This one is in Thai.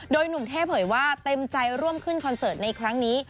โดยหนุ่มเท่เผยว่าเต็มใจร่วมขึ้นคอนเสิร์ตในครั้งนี้